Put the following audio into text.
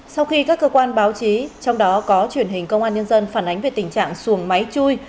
sau khi các cơ quan báo chí trong đó có truyền hình công an nhân dân phản ánh về tình trạng xuồng máy chui